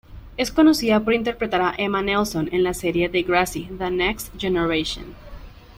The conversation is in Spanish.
Es conocida por interpretar a Emma Nelson en la serie Degrassi: The Next Generation.